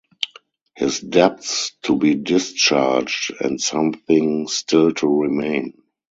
His debts to be discharged, and something still to remain!